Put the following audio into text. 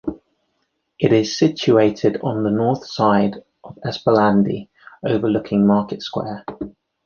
It is situated on the north side of Esplanadi, overlooking Market Square.